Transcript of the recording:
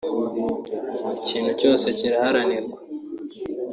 Ikintu cyose kiraharanirwa